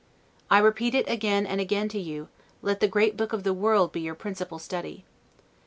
I repeat it again and again to you, Let the great book of the world be your principal study.